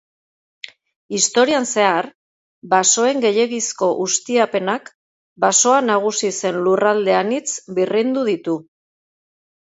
Historian zehar, basoen gehiegizko ustiapenak basoa nagusi zen lurralde anitz birrindu ditu.